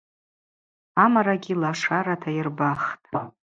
Амарагьи лашарата йырбахтӏ.